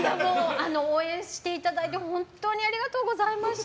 応援していただいて本当にありがとうございました！